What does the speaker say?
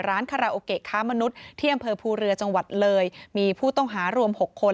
คาราโอเกะค้ามนุษย์ที่อำเภอภูเรือจังหวัดเลยมีผู้ต้องหารวม๖คน